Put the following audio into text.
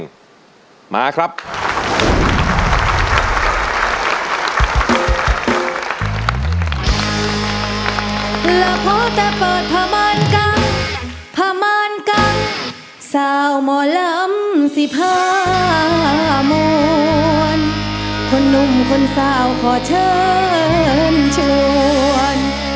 สาวหมอลำสิบหามวลคนหนุ่มคนสาวขอเชิญชวน